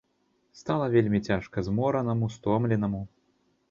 Стала вельмі цяжка зморанаму, стомленаму.